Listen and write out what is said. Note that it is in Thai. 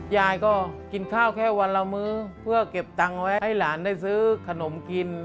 ยายก็กินข้าวแค่วันละมื้อเพื่อเก็บตังค์ไว้ให้หลานได้ซื้อขนมกิน